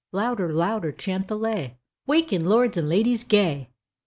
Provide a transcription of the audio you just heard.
Louder, louder chant the lay, Waken, lords and ladies gay!